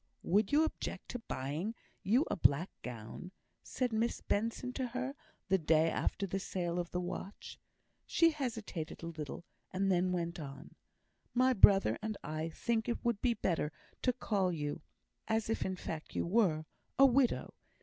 "Would you object to my buying you a black gown?" said Miss Benson to her the day after the sale of the watch. She hesitated a little, and then went on: "My brother and I think it would be better to call you as if in fact you were a widow.